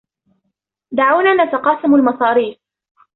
دعونا نتقاسم المصاريف.